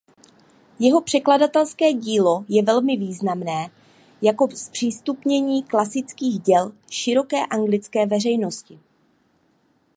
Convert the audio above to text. Jeho překladatelské dílo je velmi významné jako zpřístupnění klasických děl široké anglické veřejnosti.